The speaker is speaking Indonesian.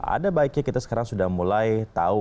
ada baiknya kita sekarang sudah mulai tahu